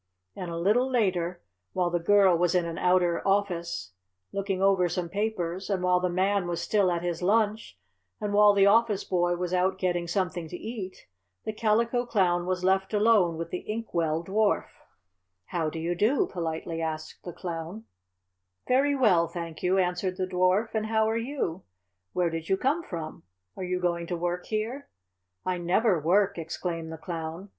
And a little later, while the girl was in an outer office looking over some papers and while the Man was still at his lunch and while the office boy was out getting something to eat, the Calico Clown was left alone with the Ink Well Dwarf. "How do you do?" politely asked the Clown. [Illustration: Calico Clown Has a Chat With Ink Well Dwarf.] "Very well, thank you," answered the Dwarf. "And how are you? Where did you come from? Are you going to work here?" "I never work!" exclaimed the Clown.